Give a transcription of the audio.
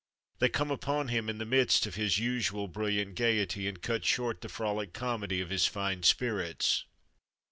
They come upon him in the midst of his usual brilliant gaiety and cut short the frolic comedy of his fine spirits.